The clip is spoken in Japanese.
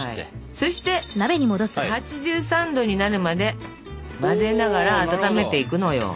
そして８３℃になるまで混ぜながら温めていくのよ。